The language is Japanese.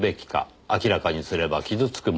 「明らかにすれば傷つく者がいる」